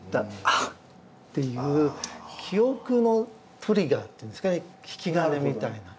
「ああ」っていう記憶のトリガーっていうんですんかね引き金みたいな。